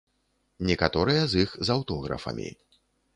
Некаторыя з іх з аўтографамі.